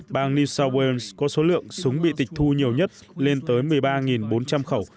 bang new south wales có số lượng súng bị tịch thu nhiều nhất lên tới một mươi ba bốn trăm linh khẩu